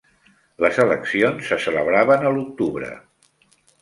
Les eleccions se celebraven a l'octubre.